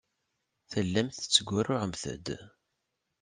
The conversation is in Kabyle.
Tellamt tettgurruɛemt-d.